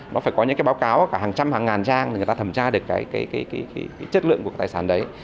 nó phải có những cái báo cáo cả hàng trăm hàng ngàn trang để người ta thẩm tra được cái chất lượng của tài sản đấy